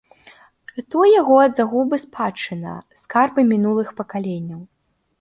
Ратуе яго ад загубы спадчына, скарбы мінулых пакаленняў.